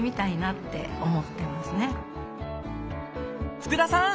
福田さん！